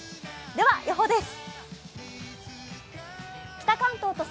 では、予報です。